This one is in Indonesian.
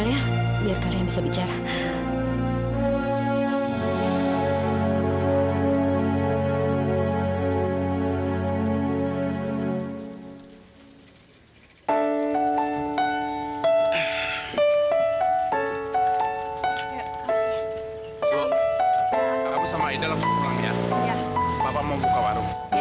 saya mencoba melacaknya dan saya berhasil mendapatkan fotonya